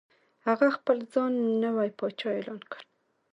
هغه خپل ځان نوی پاچا اعلان کړ.